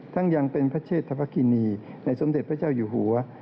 ทั้งยังเป็นเผชเทพกินีในสมเด็จพระเจ้าอยู่หัว